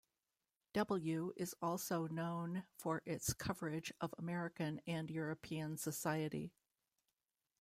"W" is also known for its coverage of American and European society.